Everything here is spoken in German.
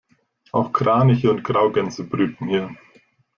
Auch Kraniche und Graugänse brüten hier.